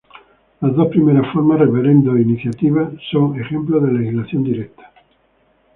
Las dos primeras formas -referendos e iniciativas- son ejemplos de legislación directa.